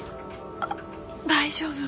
大丈夫？